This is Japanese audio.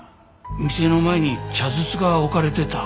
店の前に茶筒が置かれてた。